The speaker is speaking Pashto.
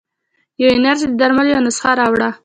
يوې نرسې د درملو يوه نسخه راوړه.